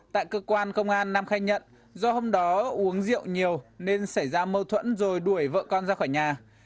tại cơ quan công an nam khai nhận do hôm đó uống rượu nhiều nên xảy ra mâu thuẫn rồi đuổi vợ con ra khỏi nhà